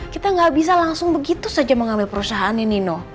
kita gak bisa langsung begitu saja mengambil perusahaannya nino